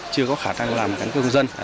chưa có khả năng làm các công dân